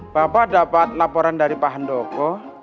bapak dapat laporan dari pak handoko